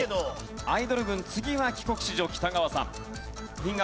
アイドル軍次は帰国子女北川さん。